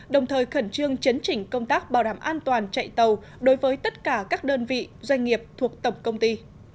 đồng thời khẩn trương chấn chỉnh công tác bảo đảm an toàn chạy tàu đối với tất cả các đơn vị doanh nghiệp thuộc tổng công ty